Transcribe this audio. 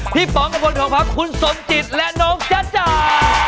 พี่ป๋องกับคนของพักคุณสมจิตและน้องจ๊ะจ่า